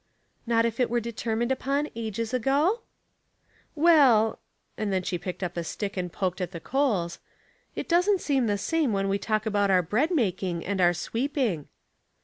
"Not if it were determined upon ages ago?" '* Well," — and then she picked up a stick and poked at the coals —" it doesn't seem the same when we talk about our bread making and our sweeping."